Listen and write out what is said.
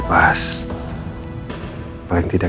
penjuelle yang ryan